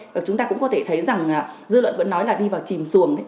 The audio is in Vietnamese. và chúng ta cũng có thể thấy rằng dư luận vẫn nói là đi vào chìm xuồng